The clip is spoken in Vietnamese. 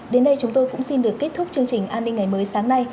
đến đây chúng tôi cũng xin được kết thúc chương trình an ninh ngày mới sáng nay